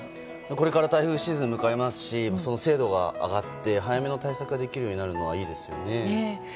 これから台風シーズンを迎えますし精度が上がって早めの対策できるようになるのはいいですよね。